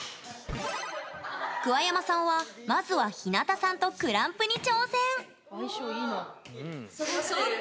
桑山さんは、まずはひなたさんとクランプに挑戦。